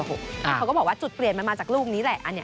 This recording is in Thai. เขาก็บอกว่าจุดเปลี่ยนมันมาจากรูปนี้แหละอันเนี้ย